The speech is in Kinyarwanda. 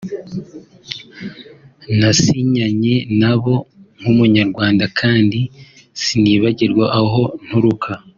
nasinyanye nabo nk’Umunyarwanda kandi sinibagirwa aho nturuka